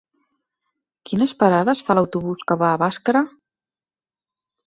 Quines parades fa l'autobús que va a Bàscara?